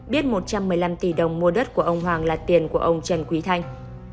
biết một trăm một mươi năm tỷ đồng mua đất của ông hoàng là tiền của ông trần quý thanh